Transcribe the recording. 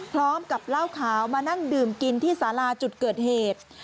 พร้อมกับเหล้าขาวมานั่งดื่มกินที่สาราจุดเกิดเหตุ